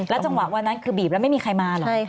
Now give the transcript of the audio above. จังหวะวันนั้นคือบีบแล้วไม่มีใครมาเหรอ